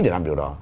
để làm điều đó